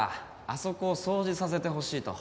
あそこを掃除させてほしいと。